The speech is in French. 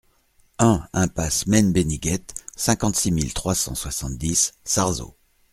un impasse Men Beniguet, cinquante-six mille trois cent soixante-dix Sarzeau